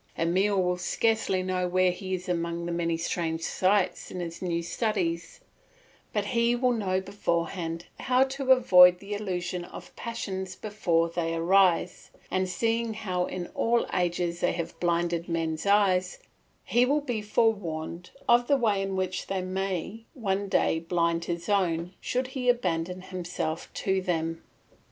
Emile will scarcely know where he is among the many strange sights in his new studies; but he will know beforehand how to avoid the illusion of passions before they arise, and seeing how in all ages they have blinded men's eyes, he will be forewarned of the way in which they may one day blind his own should he abandon himself to them.